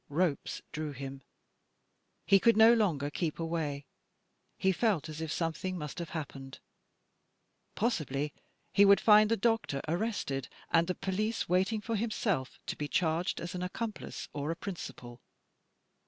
Ropes drew him; he could no longer keep away. He felt as if something must have happened. Possibly he would find the doctor arrested and the police waiting for himself, to be charged as an accomplice or a principal.